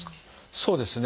そうですね。